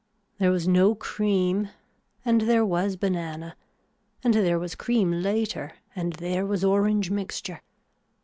There was no cream and there was banana and there was cream later and there was orange mixture.